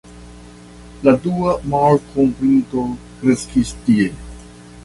La dua malkovrinto kreskis tie.